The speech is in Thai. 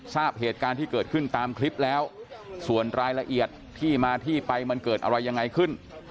ทราบเหตุการณ์ที่เกิดขึ้นตามคลิปแล้วส่วนรายละเอียดที่มาที่ไปมันเกิดอะไรยังไงขึ้น